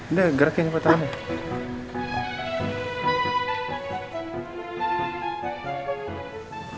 udah geraknya nyoba tangannya